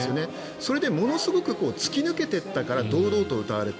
それでものすごく突き抜けてったから堂々と歌われて。